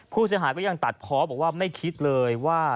ผู้เสียหายก็ยังตัดเพาะบอกว่าไม่คิดเลยว่า